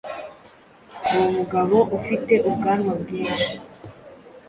Uwo mugabo ufite ubwanwa bwinshi